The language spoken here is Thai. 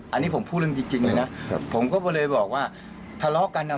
อันนี้ผมพูดเรื่องจริงจริงเลยนะครับผมก็เลยบอกว่าทะเลาะกันอ่ะ